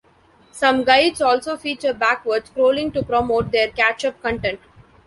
Some guides also feature backward scrolling to promote their catch up content.